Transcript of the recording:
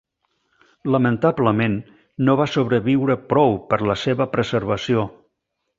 Lamentablement, no va sobreviure prou per la seva preservació.